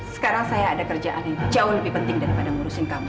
sekarang saya ada kerjaan yang jauh lebih penting daripada ngurusin kamu